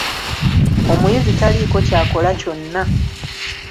Omuyizi taliiko ky'akola kyonna.